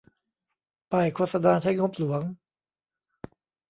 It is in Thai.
ป้ายโฆษณาใช้งบหลวง